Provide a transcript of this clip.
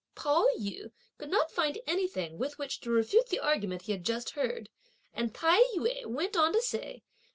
Pao yü could not find anything with which to refute the argument he had just heard, and Tai yü went on to say.